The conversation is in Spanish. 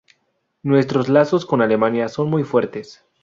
Nuestros lazos con Alemania son muy fuertes".